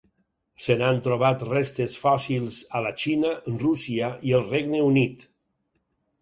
Se n'han trobat restes fòssils a la Xina, Rússia i el Regne Unit.